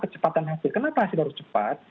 kecepatan hasil kenapa hasil harus cepat